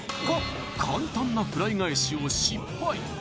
簡単なフライ返しを失敗